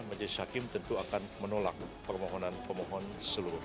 majelis hakim tentu akan menolak permohonan pemohon seluruhnya